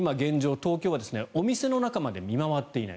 東京ではお店の中まで見回っていない。